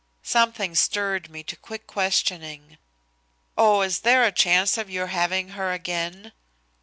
Something stirred me to quick questioning. "Oh, is there a chance of your having her again?"